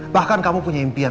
bahkan kamu punya impian